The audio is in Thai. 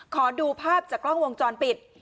ขอดูภาพจากกล้องวงจรปิด